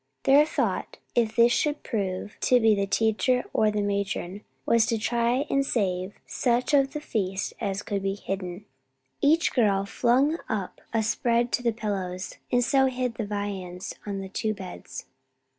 Their first thought if this should prove to be the teacher or the matron was to try and save such of the feast as could be hidden. Each girl flung up a spread to the pillows, and so hid the viands on the two beds.